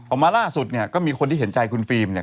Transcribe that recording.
มาล่าสุดเนี่ยก็มีคนที่เห็นใจคุณฟิล์มเนี่ย